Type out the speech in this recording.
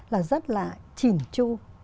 là rất là chỉn chu